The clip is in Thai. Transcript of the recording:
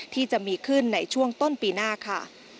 ที่จะมีขึ้นในช่วงต้นปีหน้าค่ะ